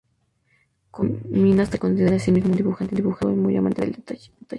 Corominas se considera a sí mismo un dibujante inseguro, muy amante del detalle.